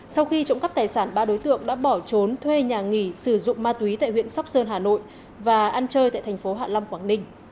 sau khi trộm cắp tài sản ba đối tượng đã bỏ trốn thuê nhà nghỉ sử dụng ma túy tại huyện sóc sơn hà nội và ăn chơi tại thành phố hạ long quảng ninh